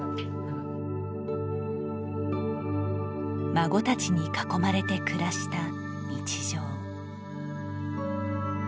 孫たちに囲まれて暮らした日常。